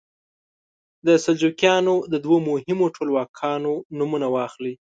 د سلجوقیانو د دوو مهمو ټولواکانو نومونه واخلئ.